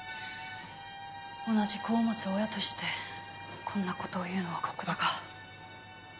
同じ子を持つ親としてこんな事を言うのは酷だが。